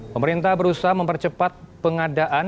pemerintah berusaha mempercepat pengadaan